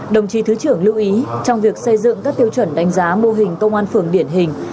đồng chí thứ trưởng lưu ý trong việc xây dựng các tiêu chuẩn đánh giá mô hình công an phường điển hình